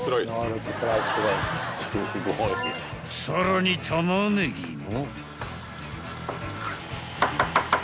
［さらにタマネギも］